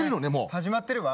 始まってるわ。